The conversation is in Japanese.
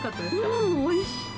うん、おいしい。